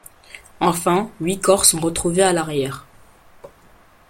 Enfin, huit corps sont retrouvés à l'arrière.